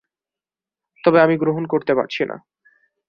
তবে আমি গ্রহণ করতে পারছি না।